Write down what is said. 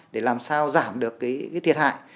để làm sao giảm được cái thiệt hại